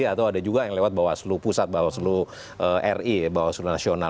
atau ada juga yang lewat bawah aslo pusat bawah aslo ri bawah aslo nasional